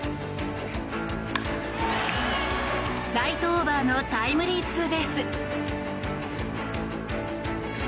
ライトオーバーのタイムリーツーベース。